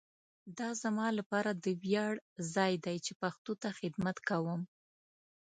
دا زما لپاره د ویاړ ځای دی چي پښتو ته خدمت کوؤم.